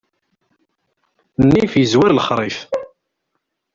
Nnif izwar lexṛif.